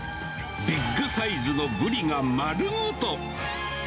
ビッグサイズのブリが丸ごと。